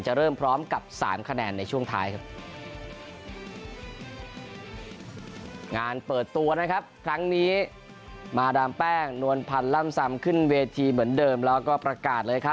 จะเริ่มพร้อมกับ๓คะแนนในช่วงท้ายทำงานเปิดตัวนะครับครั้งนี้มา